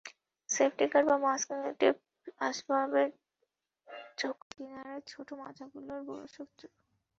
Safety guard বা masking tape আসবাবের চোখা কিনারা ছোট মাথাগুলোর বড় শত্রু।